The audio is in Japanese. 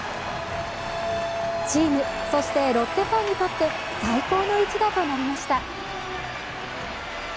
チーム、そしてロッテファンにとって最高の一打となりました。